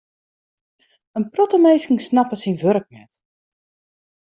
In protte minsken snappe syn wurk net.